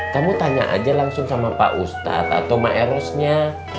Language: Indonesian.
kamu tanya aja langsung sama pak ustadz atau maerosnya